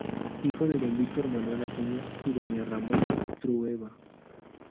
Hijo de Don Víctor Manuel Acuña y Doña Ramona Trueba.